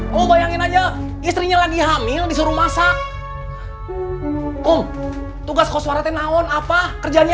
kamu bayangin aja istrinya lagi hamil disuruh masak kum tugas kau suara tenaon apa kerjanya